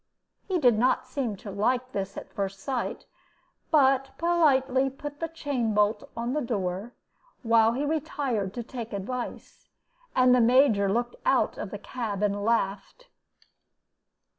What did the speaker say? He did not seem to like this at first sight, but politely put the chain bolt on the door while he retired to take advice; and the Major looked out of the cab and laughed.